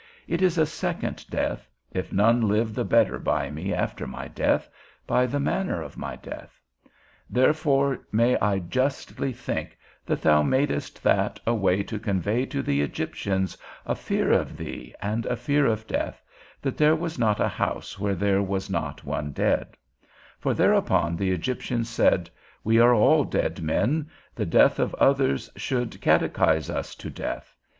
It is a second death, if none live the better by me after my death, by the manner of my death. Therefore may I justly think, that thou madest that a way to convey to the Egyptians a fear of thee and a fear of death, that there was not a house where there was not one dead; for thereupon the Egyptians said, We are all dead men: the death of others should catechise us to death.